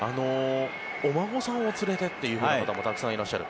お孫さんを連れてという方もたくさんいらっしゃる。